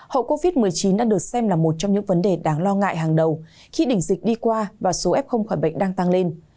hậu covid một mươi chín đã được xem là một trong những vấn đề đáng lo ngại hàng đầu khi đỉnh dịch đi qua và số f khỏi bệnh đang tăng lên